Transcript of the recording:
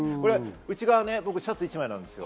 内側、シャツ１枚なんですよ。